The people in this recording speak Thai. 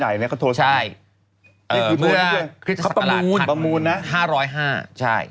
เมื่อคริสต์ศักราชถัด๕๐๕